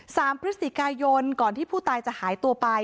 สามพฤศจิกายนก่อนที่ผู้ตายจะหายตัวไป